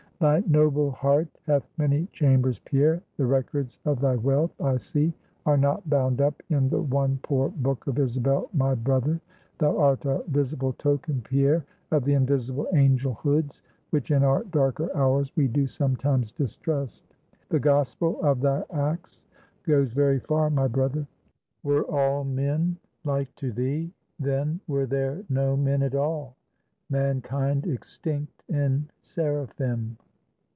"Thy noble heart hath many chambers, Pierre; the records of thy wealth, I see, are not bound up in the one poor book of Isabel, my brother. Thou art a visible token, Pierre, of the invisible angel hoods, which in our darker hours we do sometimes distrust. The gospel of thy acts goes very far, my brother. Were all men like to thee, then were there no men at all, mankind extinct in seraphim!"